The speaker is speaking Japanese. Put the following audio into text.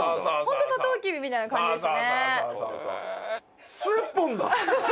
ホントサトウキビみたいな感じですね。